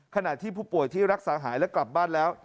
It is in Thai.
ขณะที่ผู้ป่วยที่รักษาหายและกลับบ้านแล้ว